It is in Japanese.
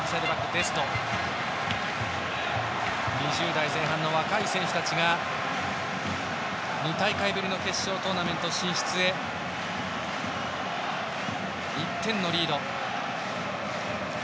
２０代前半の若い選手たちが２大会ぶりの決勝トーナメント進出へ１点のリード。